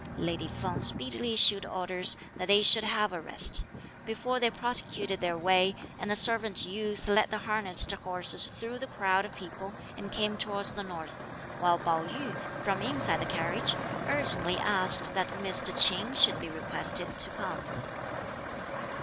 Lady Feng speedily issued orders that they should have a rest, before they prosecuted their way, and the servant youth led the harnessed horses through the crowd of people and came towards the north, while Pao yü, from inside the carriage, urgently asked that Mr. Ch'in should be requested to come.